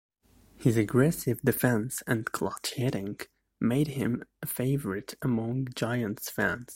His aggressive defense and clutch hitting made him a favorite among Giants fans.